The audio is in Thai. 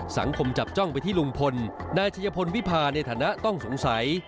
สังคมจับจ้องไปที่ลุงพลนายชัยพลวิพาในฐานะต้องสงสัย